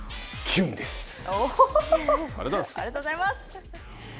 ありがとうございます！